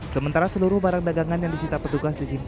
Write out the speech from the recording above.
sementara seluruh barang dagangan yang disita petugas disimpan